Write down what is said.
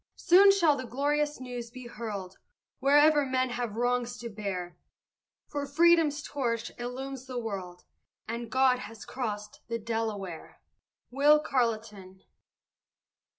Soon shall the glorious news be hurled Wherever men have wrongs to bear; For freedom's torch illumes the world, And God has crossed the Delaware! WILL CARLETON.